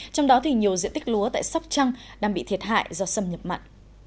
trong đó thì nhiều diện tích lúa tại sóc trăng đang bị thiệt hại do xâm nhập mặn